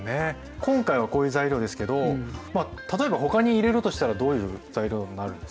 今回はこういう材料ですけど例えば他に入れるとしたらどういう材料になるんですか？